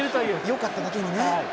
よかっただけにね。